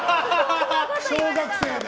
小学生で。